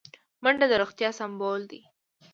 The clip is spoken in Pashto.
منډه د روغتیا سمبول دی